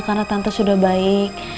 karena tante sudah baik